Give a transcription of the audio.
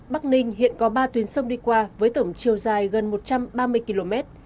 bắc ninh hiện có ba tuyến sông đi qua với tổng chiều dài gần một trăm ba mươi km